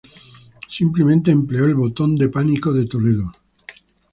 Simplemente empleó el "Botón de pánico de Toledo".